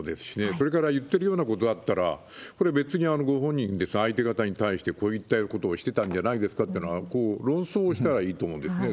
それから、言ってるようなことだったら、これ、別にご本人で、相手方に対してこういったことをしてたんじゃないですかというのは、論争したらいいと思うんですよね。